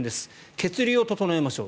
血流を整えましょう。